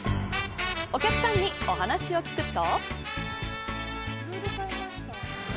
お客さんに話を聞くと。